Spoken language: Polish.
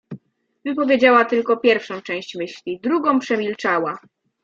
Wypowiedziała tylko pierwszą część myśli, drugą przemilczała.